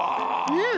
うん！